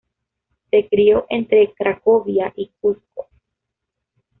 Se crio entre Cracovia y Cusco.